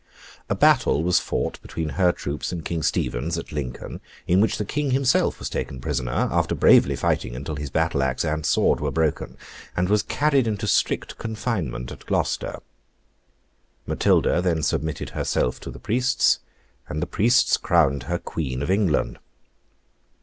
A battle was fought between her troops and King Stephen's at Lincoln; in which the King himself was taken prisoner, after bravely fighting until his battle axe and sword were broken, and was carried into strict confinement at Gloucester. Matilda then submitted herself to the Priests, and the Priests crowned her Queen of England.